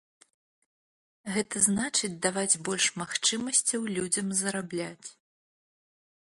Гэта значыць, даваць больш магчымасцяў людзям зарабляць.